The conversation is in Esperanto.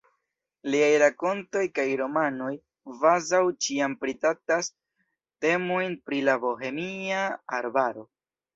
Liaj rakontoj kaj romanoj kvazaŭ ĉiam pritraktas temojn pri la Bohemia Arbaro.